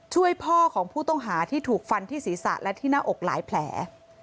ช่วยพ่อของผู้ต้องหาที่ถูกฟันที่ศีรษะและที่หน้าอกหลายแผล